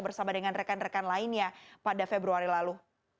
bersama dengan rekan rekan lainnya pada februari lalu